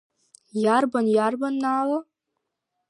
Иарбан, иарбан, Наала?